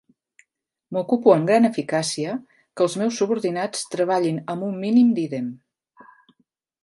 M'ocupo amb gran eficàcia que els meus subordinats treballin amb un mínim d'ídem.